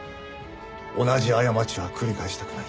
同じ過ちは繰り返したくない。